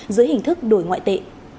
dưới hình thức đổi ngoại tệ